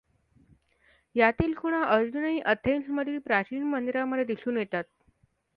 यातील खुणा अजूनही अथेन्समधील प्राचीन मंदिरांमध्ये दिसून येतात.